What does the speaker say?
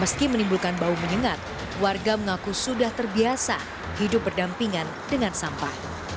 meski menimbulkan bau menyengat warga mengaku sudah terbiasa hidup berdampingan dengan sampah